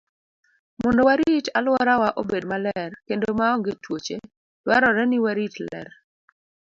Mondo warit alworawa obed maler kendo maonge tuoche, dwarore ni warit ler.